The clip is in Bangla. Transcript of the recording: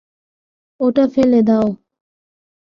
ওটা ফেলে দাও।